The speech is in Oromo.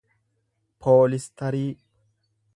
poolistarii